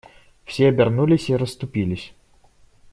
Все обернулись и расступились.